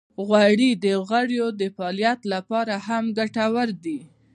غوړې د غړو د فعالیت لپاره هم ګټورې دي.